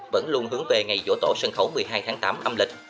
vẫn luôn hướng về ngày dỗ tổ sân khấu một mươi hai tháng tám âm lịch